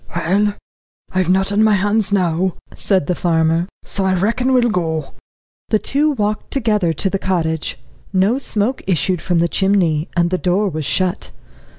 "Well, I've naught on my hands now," said the farmer, "so I reckon we will go." The two walked together to the cottage. No smoke issued from the chimney, and the door was shut.